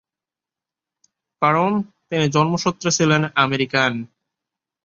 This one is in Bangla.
কারণ তিনি জন্মসূত্রে ছিলেন আমেরিকান।